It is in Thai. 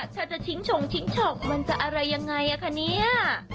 มีเหนื่อเราสำคัญ